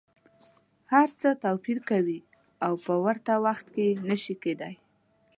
هر څه توپیر کوي او په ورته وخت کي نه شي کیدای.